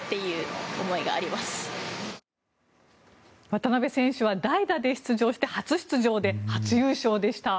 渡辺選手は代打で出場して初出場で初優勝でした。